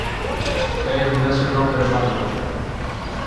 Él no es un hombre malo".